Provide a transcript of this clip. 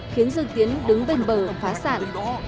khiến dương tiến đứng bên bờ phá sản